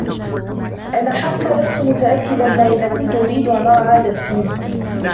أنا حتى لستُ متأكداً ما إذا كُنتُ أريد أن أرى هذا الفيلم.